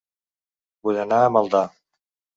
Vull anar a Maldà